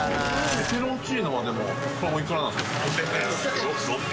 ペペロンチーノはでも海おいくらなんですか？